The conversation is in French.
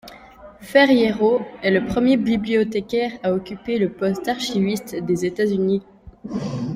Ferriero est le premier bibliothécaire à occuper le poste d'archiviste des États-Unis.